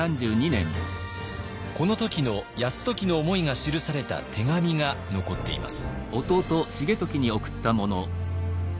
この時の泰時の思いが記された手紙が残っています。